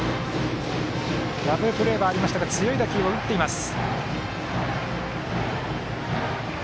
ダブルプレーはありましたが強い打球を打っています。